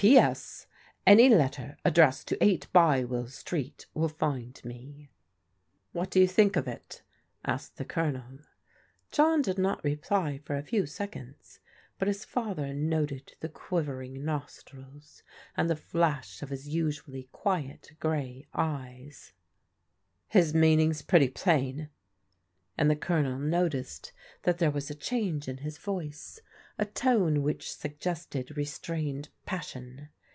" P. S. Any letter addressed to 8 Bywell Street will find me." "What do you think of it?" asked the Colonel. John did not reply for a few seconds, but his father noted the quivering nostrils, and the flash of his usually quiet, gray eyes. « 166 PRODIGAL DAUGHTERS His meaning's pretty plain/' and the Colonel noticed that there was a change in his voice^ a tone which sug gested restrained passion.